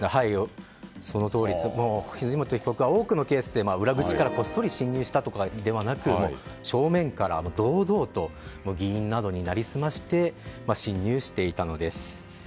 そのとおりで藤本被告は多くのケースで裏口からこっそり侵入したわけではなく正面から堂々と議員などになりすまして侵入していたのです。